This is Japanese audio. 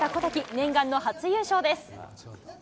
念願の初優勝です。